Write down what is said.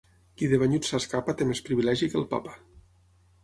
Qui de banyut s'escapa té més privilegi que el Papa.